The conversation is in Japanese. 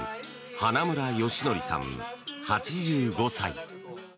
花村芳範さん、８５歳。